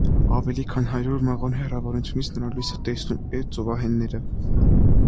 Ավելի քան հարյուր մղոն հեռավորությունից նրա լույսը տեսնում են ծովահենները։